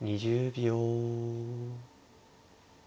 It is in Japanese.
２０秒。